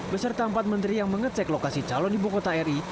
beserta empat menteri yang mengecek lokasi calon ibu kota ri